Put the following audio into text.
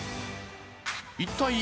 一体